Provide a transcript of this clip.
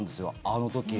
あの時。